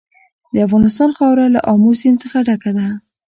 د افغانستان خاوره له آمو سیند څخه ډکه ده.